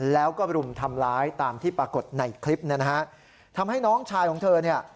แล้วก็รุมทำร้ายตามที่ปรากฏในคลิปนะฮะทำให้น้องชายของเธอเนี่ย